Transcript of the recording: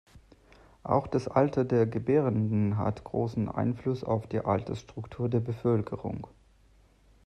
Auch das Alter der Gebärenden hat großen Einfluss auf die Altersstruktur der Bevölkerung.